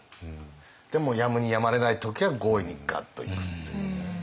でもやむにやまれない時は強引にガッといくという。